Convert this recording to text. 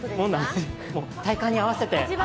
体感に合わせて。